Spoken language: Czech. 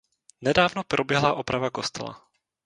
Nedávno proběhla oprava kostela.